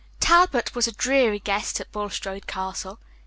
Talbot was a dreary guest at Bulstrode Castle.